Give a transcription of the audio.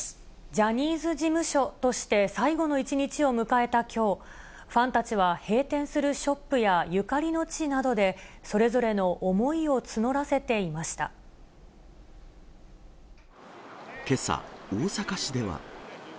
ジャニーズ事務所として最後の一日を迎えたきょう、ファンたちは閉店するショップやゆかりの地などで、それぞれの思けさ、大阪市では。